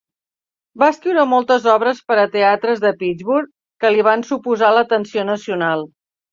Va escriure moltes obres per a teatres de Pittsburgh que li van suposar l'atenció nacional.